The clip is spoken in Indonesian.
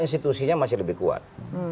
institusinya masih lebih kuat